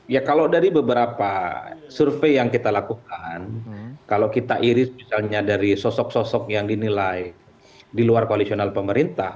ya kalau dari beberapa survei yang kita lakukan kalau kita iris misalnya dari sosok sosok yang dinilai di luar koalisional pemerintah